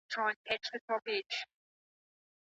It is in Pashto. شرعیاتو پوهنځۍ په چټکۍ نه ارزول کیږي.